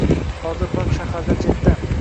Hozir park shahardan chetda